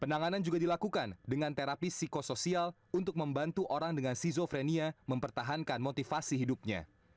penanganan juga dilakukan dengan terapi psikosoial untuk membantu orang dengan skizofrenia mempertahankan motivasi hidupnya